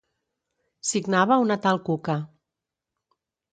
Signava una tal Cuca.